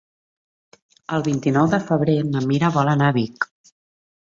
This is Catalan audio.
El vint-i-nou de febrer na Mira vol anar a Vic.